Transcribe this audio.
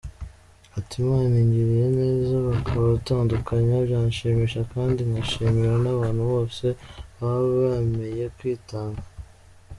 Ati “Imana ingiriye neza bakabatandukanya byanshimisha kandi nkashimira n’abantu bose baba bemeye kwitanga”.